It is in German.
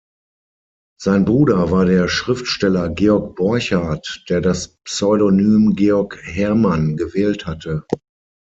Sein Bruder war der Schriftsteller Georg Borchardt, der das Pseudonym "Georg Hermann" gewählt hatte.